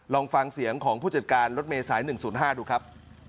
ลองฟังเสียงของผู้จัดการรถเมษาย๑๐๕ดูครับ